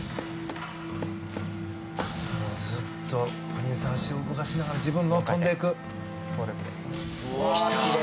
ずっと羽生さん足を動かしながら自分で跳んでいく。来た。